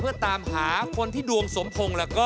เพื่อตามหาคนที่ดวงสมพงค์แล้วก็